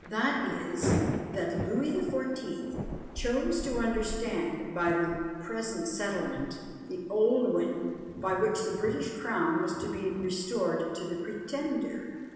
that is, that Louis the Fourteenth chose to understand by the PRESENT SETTLEMENT the old one, by which the British crown was to be restored to the Pretender!